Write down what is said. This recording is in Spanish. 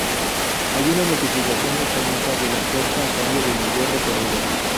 Hay una multiplicación mecánica de la fuerza a cambio de mayor recorrido.